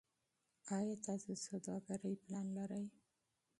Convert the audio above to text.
ایا تاسو د سوداګرۍ پلان لرئ.